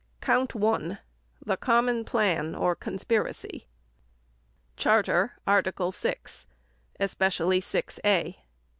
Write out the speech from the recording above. COUNT ONE—THE COMMON PLAN OR CONSPIRACY (Charter, Article 6, especially 6 (a)) III.